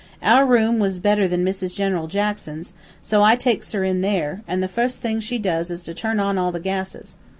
Our room was better than Mrs. General Jackson's, so I takes her in there, an' the fust thing she does is to turn on all the gases.